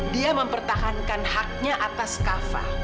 dia mempertahankan haknya atas kafah